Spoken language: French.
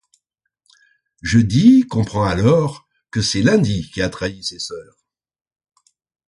Jeudi comprend alors que c'est Lundi qui a trahi ses sœurs.